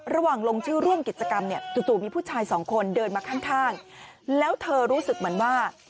ลงชื่อร่วมกิจกรรมเนี่ยจู่มีผู้ชายสองคนเดินมาข้างแล้วเธอรู้สึกเหมือนว่า